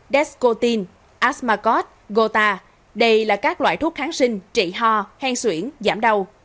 descoin asmacot gota đây là các loại thuốc kháng sinh trị ho hen xuyển giảm đau